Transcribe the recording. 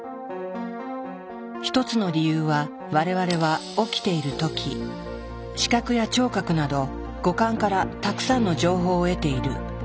一つの理由は我々は起きている時視覚や聴覚など五感からたくさんの情報を得ている。